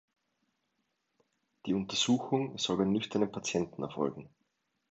Die Untersuchung soll bei nüchternem Patienten erfolgen.